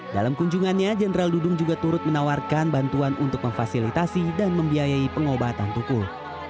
dalam kunjungannya jenderal dudung juga turut menawarkan bantuan untuk memfasilitasi dan membiayai pengobatan tukul